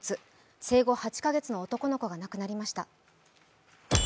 生後８カ月の男の子が亡くなりました。